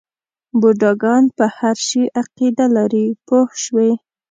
بوډاګان په هر شي عقیده لري پوه شوې!.